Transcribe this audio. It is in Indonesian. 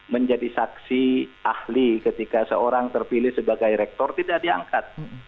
menjadi saksi ahli ketika seorang terpilih sebagai rektor tidak diangkat